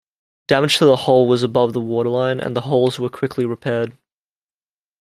Damage to the hull was above the waterline and the holes were quickly repaired.